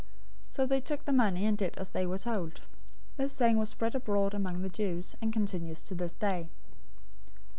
028:015 So they took the money and did as they were told. This saying was spread abroad among the Jews, and continues until this day.